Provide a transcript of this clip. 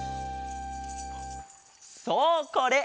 そうこれ！